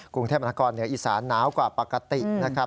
กรุงเทพมนากรเหนืออีสาน้าวกว่าปกตินะครับ